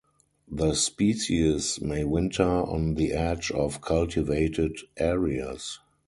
The species may winter on the edge of cultivated areas.